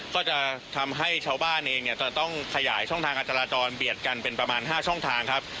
ก็จะทำให้ชาวบ้านเองเนี่ยจะต้องขยายช่องทางการจราจรเบียดกันเป็นประมาณ๕ช่องทางครับ